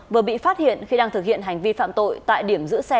vừa bị phát hiện khi đang thực hiện hành vi phạm tội tại điểm giữ xe